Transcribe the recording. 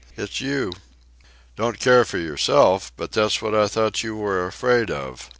It's you." "Don't care for yourself! But that's what I thought you were afraid of!"